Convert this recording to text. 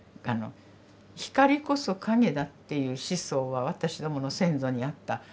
光こそ影だっていう思想は私どもの先祖にあった。